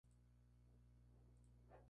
El área micropolitana de St.